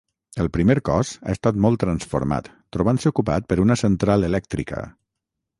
El primer cos ha estat molt transformat, trobant-se ocupat per una central elèctrica.